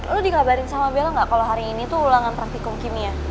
lu dikabarin sama bella gak kalau hari ini tuh ulangan praktikum kimia